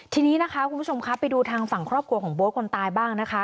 ทีนี้นะคะคุณผู้ชมครับไปดูทางฝั่งครอบครัวของโบ๊ทคนตายบ้างนะคะ